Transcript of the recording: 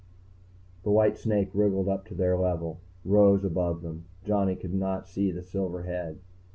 The white snake wriggled up to their level, rose above them. Johnny could not see the silver head.